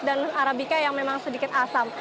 dan arabica yang memang sedikit asam